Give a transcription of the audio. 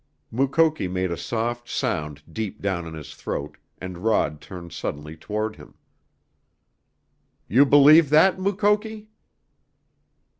Mukoki made a soft sound deep down in his throat, and Rod turned suddenly toward him. "You believe that, Mukoki?"